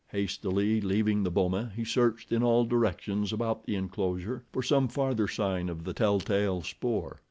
Hastily leaving the boma he searched in all directions about the enclosure for some further sign of the tell tale spoor.